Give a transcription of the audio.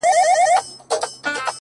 • د حاکم تر خزانې پوري به تللې,